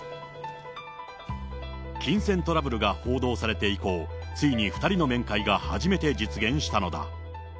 金銭トラブルが報道されて以降、ついに２人の面会が初めて実現したのだ。